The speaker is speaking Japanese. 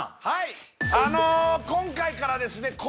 はい今回からですね